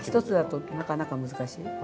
１つだとなかなか難しい。